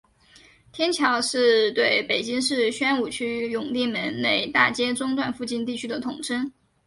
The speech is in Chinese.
天桥是对北京市宣武区永定门内大街中段附近地区的统称。